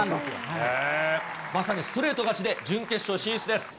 まさにストレート勝ちで準決勝進出です。